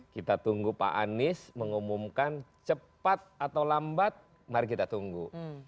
kita tunggu pak anies mengumumkan cepat atau lambat mari kita tunggu